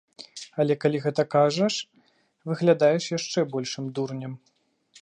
Але калі гэта кажаш, выглядаеш яшчэ большым дурнем.